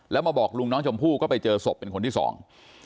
แล้วมาบอกลุงน้องชมพู่ก็ไปเจอศพเป็นคนที่สอง